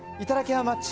ハウマッチ。